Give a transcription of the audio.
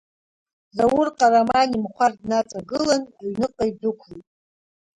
Заур Ҟараман имахәар днаҵагылан, аҩныҟа идәықәлеит.